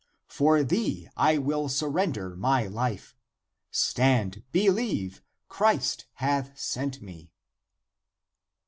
For thee I will surrender my life. Stand, believe ; Christ hath sent me."